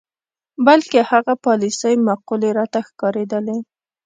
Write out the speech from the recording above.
بلکې هغه پالیسۍ معقولې راته ښکارېدلې.